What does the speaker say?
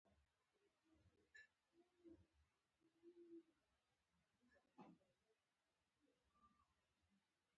بادرنګ ماشومانو ته هم خوند کوي.